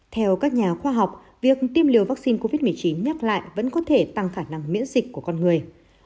theo các nhà khoa học việc tiêm liều vaccine covid một mươi chín nhắc lại vẫn có thể tăng khả năng miễn dịch của con người